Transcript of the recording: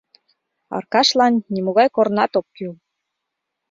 Аркашлан нимогай корнат ок кӱл.